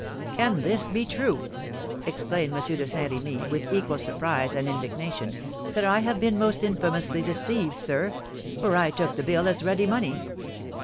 "Can this be true?" exclaimed M. de Saint Rémy, with equal surprise and indignation; "then I have been most infamously deceived, sir, for I took the bill as ready money."